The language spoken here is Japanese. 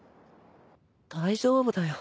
大丈夫だよ。